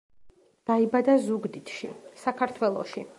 დაიბადა ზუგდიდში, საქართველოში.